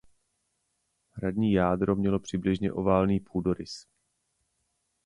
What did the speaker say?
Hradní jádro mělo přibližně oválný půdorys.